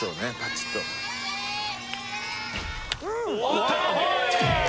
打った！